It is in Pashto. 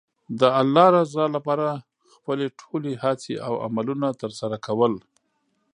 د الله رضا لپاره خپلې ټولې هڅې او عملونه ترسره کول.